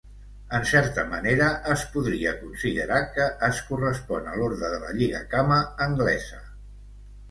En certa manera, es podria considerar que es correspon a l'Orde de la Lligacama anglesa.